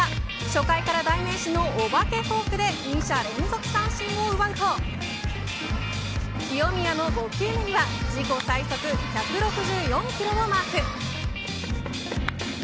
初回から代名詞のお化けフォークで２者連続三振を奪うと清宮の５球目には自己最速１６４キロをマーク。